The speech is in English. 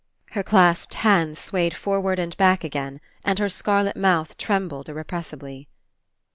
Her clasped hands swayed forward and back again, and her scarlet mouth trembled irrepressibly.